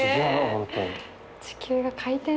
本当に。